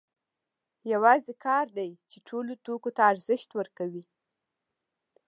یوازې کار دی چې ټولو توکو ته ارزښت ورکوي